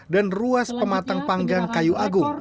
dan ruas pematang panggang kayu agung